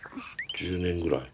１０年ぐらい。